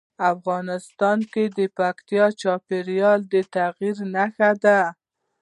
افغانستان کې پکتیا د چاپېریال د تغیر نښه ده.